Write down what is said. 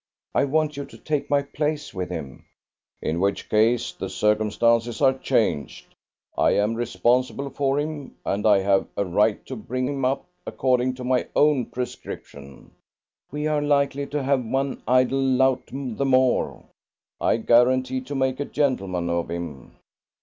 I want you to take my place with him." "In which case the circumstances are changed. I am responsible for him, and I have a right to bring him up according to my own prescription." "We are likely to have one idle lout the more." "I guarantee to make a gentleman of him."